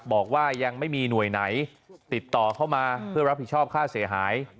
บอกว่ายังไม่มีหน่วยไหนติดต่อเข้ามาเพื่อรับผิดชอบค่าเสียหาย